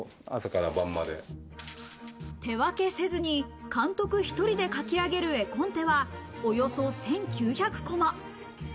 手分けせずに監督１人で描きあげる絵コンテはおよそ１９００コマ。